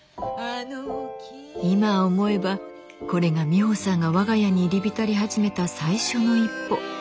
今思えばこれがミホさんが我が家に入り浸り始めた最初の一歩。